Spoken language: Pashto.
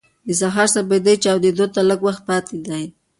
د سهار سپېدې چاودېدو ته لږ وخت پاتې دی.